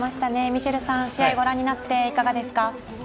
ミシェルさん、試合ご覧になっていかがですか？